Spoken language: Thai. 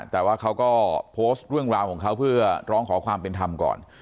แต่ว่าเขาก็โพสต์เรื่องราวของเขาเพื่อร้องขอความเป็นธรรมก่อน